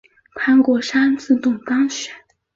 潘国山自动当选。